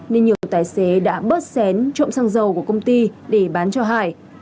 nên nhiều tài xế đã bớt xén trộm xăng dầu của công ty để bán cho hải